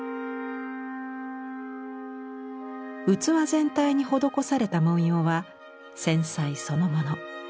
器全体に施された文様は繊細そのもの。